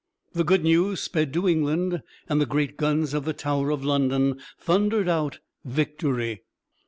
The good news sped to England, and the great guns of the Tower of London thundered out "Victory!"